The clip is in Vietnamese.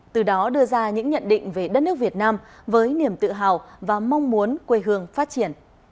từ đó đưa ra những nhận định về đất nước việt nam với niềm tự hào và mong muốn quê hương phát triển